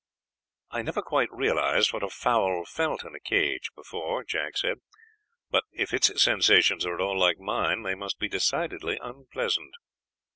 "I never quite realized what a fowl felt in a coop before," Jack said, "but if its sensations are at all like mine they must be decidedly unpleasant.